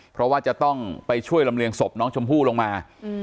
เพราะว่าจะต้องไปช่วยลำเลียงศพน้องชมพู่ลงมา